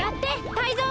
タイゾウ！